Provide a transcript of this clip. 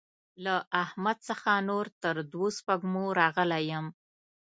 له احمد څخه نور تر دوو سپږمو راغلی يم.